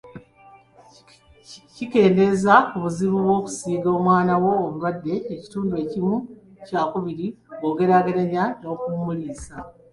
Kikendeeza ku buzibu bw'okusiiga omwana wo obulwadde ekitundu kimu kyakubiri bw'ogeraageranya n'okumuliisa.